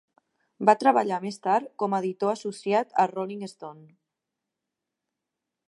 Va treballar més tard com editor associat a "Rolling Stone".